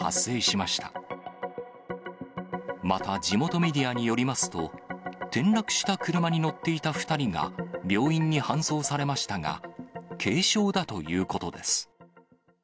また、地元メディアによりますと、転落した車に乗っていた２人が、病院に搬送されましたが、軽傷だということです。